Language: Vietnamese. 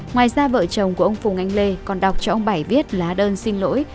ngoài ra vợ chồng của ông phùng anh lê còn đọc cho ông bài viết lá đơn xin lỗi